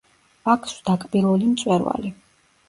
აქვს დაკბილული მწვერვალი.